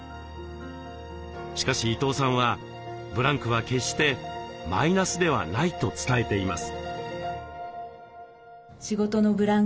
しかし伊東さんはブランクは決してマイナスではないと伝えています。